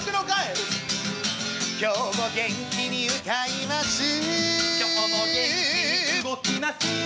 今日も元気に歌います今日も元気に動きます